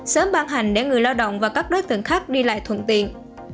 sớm ban hành để người lao động và các đối tượng khác đi lại thuận tiện